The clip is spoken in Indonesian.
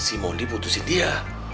si moni putusin dia